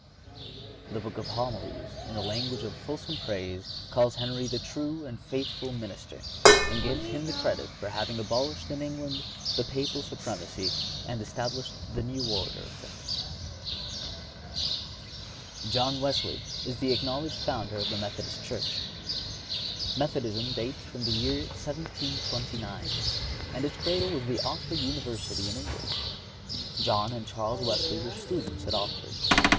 (97) The Book of Homilies, in the language of fulsome praise, calls Henry "the true and faithful minister," and gives him the credit for having abolished in England the Papal supremacy and established the new order of things.(98) John Wesley is the acknowledged founder of the Methodist Church. Methodism dates from the year 1729, and its cradle was the Oxford University in England. John and Charles Wesley were students at Oxford.